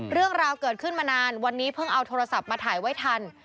เรื่องราวเกิดขึ้นมานานวันนี้เพิ่งเอาโทรศัพท์มาถ่ายไว้ทัน